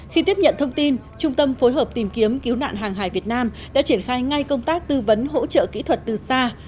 khi tiếp nhận thông tin trung tâm phối hợp tìm kiếm cứu nạn hàng hải việt nam đã triển khai ngay công tác tư vấn hỗ trợ kỹ thuật từ xa